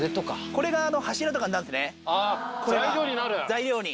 これが材料に。